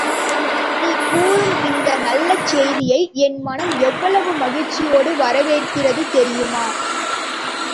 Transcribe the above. நீ கூறும் இந்த நல்ல செய்தியை என் மனம் எவ்வளவு மகிழ்ச்சியோடு வரவேற்கிறது தெரியுமா?